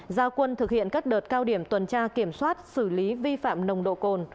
giao quân thực hiện các đợt cao điểm tuần tra kiểm soát xử lý vi phạm nồng độ cồn